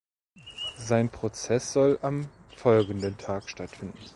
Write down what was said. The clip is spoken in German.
Sein Prozess soll am folgenden Tag stattfinden.